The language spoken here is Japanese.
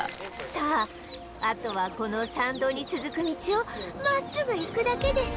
さああとはこの参道に続く道を真っすぐ行くだけです